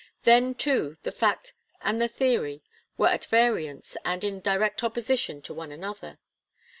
Then, too, the fact and the theory were at variance and in direct opposition to one another.